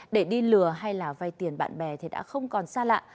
để đi lừa hay là vay tiền bạn bè thì đã không còn xa lạ